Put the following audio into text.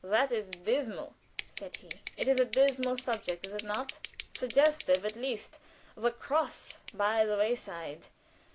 "That is dismal," said he. "It is a dismal subject, is it not?" "Suggestive, at least. 'The Cross by the Wayside.'